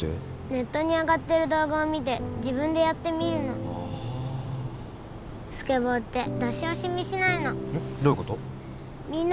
ネットに上がってる動画を見て自分でやってみるのああスケボーって出し惜しみしないのうん？